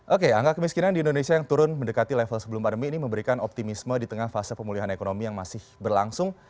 oke angka kemiskinan di indonesia yang turun mendekati level sebelum pandemi ini memberikan optimisme di tengah fase pemulihan ekonomi yang masih berlangsung